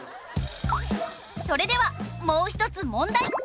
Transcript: それではもう一つ問題。